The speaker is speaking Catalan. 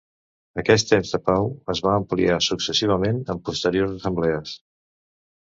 Aquest temps de pau es va ampliar successivament en posteriors assemblees.